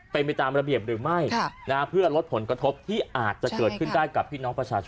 เป็นไปตามระเบียบหรือไม่เพื่อลดผลกระทบที่อาจจะเกิดขึ้นได้กับพี่น้องประชาชน